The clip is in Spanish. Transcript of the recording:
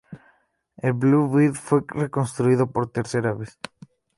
El Blue Bird fue reconstruido por tercera vez.